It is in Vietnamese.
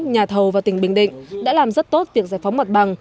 nhà thầu và tỉnh bình định đã làm rất tốt việc giải phóng mặt bằng